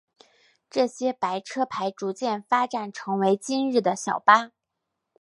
这些白牌车逐渐发展成为今日的小巴。